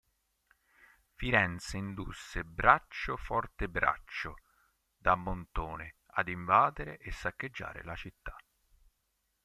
Firenze indusse Braccio Fortebraccio da Montone ad invadere e saccheggiare la città.